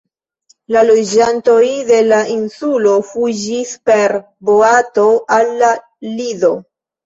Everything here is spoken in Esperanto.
La loĝantoj de la insulo fuĝis per boato al la Lido.